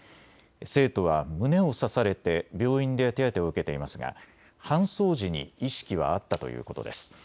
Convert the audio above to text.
生徒は胸を刺されて病院で手当てを受けていますが搬送時に意識はあったということです。